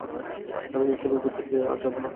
আমি এসবের ভিতর আর যাবো না।